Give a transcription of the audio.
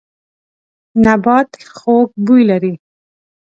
نبات خوږ بوی لري.